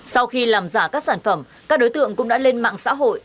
sau khi làm giả các sản phẩm các đối tượng cũng đã lên mạng xã hội